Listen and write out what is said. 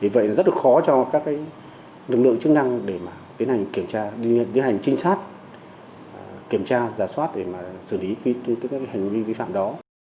vậy rất là khó cho các lực lượng chức năng để tiến hành kiểm tra tiến hành trinh sát kiểm tra giả soát để mà xử lý các hành vi vi phạm đó